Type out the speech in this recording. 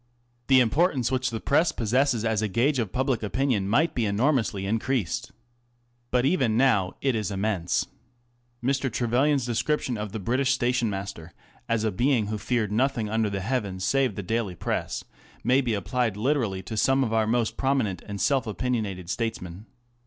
f The importance which the Press possesses as a gauge of public ] opinion might be enormously increased. But even now it is [immense. Mr. Trevelyan's description of the British station master as a being who feared nothing under heaven save the daily Press, may be applied literally to some of our most prominent and self opinionated statesmen.